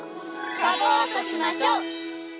サポートしましょ！